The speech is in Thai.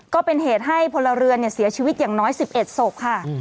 ก็เป็นเหตุให้พลเรือนเสียชีวิตอย่างน้อย๑๑ศพค่ะ